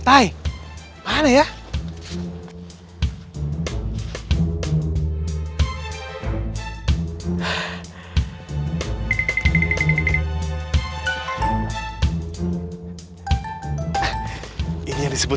jangan main main lukman